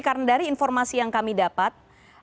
karena dari informasi yang kami dapat